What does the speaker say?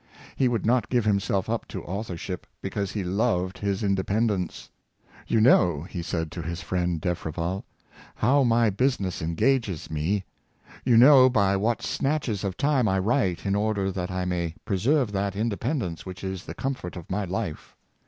He would not give himself up to authorship, because he loved his independence. " You know," he said to his friend Defreval, " how my busi ness engages me. You know by what snatches of time I write in order that I may preserve that independence which is the comfort of my life.